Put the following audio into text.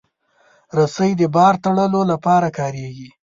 رسۍ د بار تړلو لپاره کارېږي.